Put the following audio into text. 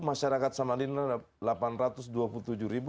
masyarakat samadina delapan ratus dua puluh tujuh ribu